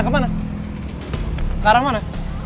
ke arah mana